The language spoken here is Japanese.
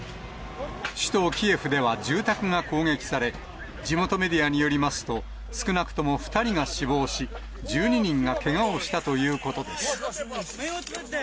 首都キエフでは住宅が攻撃され、地元メディアによりますと、少なくとも２人が死亡し、１２人がけがをしたということです。